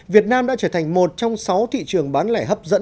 việt nam đã trở thành một trong sáu thị trường bán lẻ hấp dẫn